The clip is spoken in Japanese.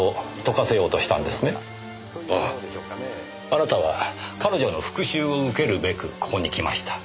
あなたは彼女の復讐を受けるべくここに来ました。